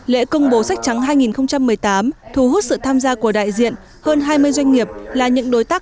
lễ công bố sách trắng hai nghìn một mươi tám thu hút sự tham gia của đại diện hơn hai mươi doanh nghiệp là những đối tác